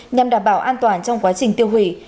nhằm đảm bảo an toàn trong quá trình tiêu hủy